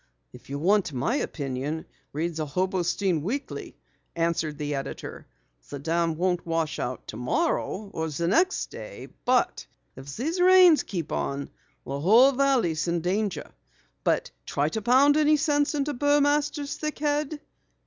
"If you want my opinion, read the Hobostein Weekly," answered the editor. "The dam won't wash out tomorrow or the next day, but if these rains keep on, the whole valley's in danger. But try to pound any sense into Burmaster's thick head!"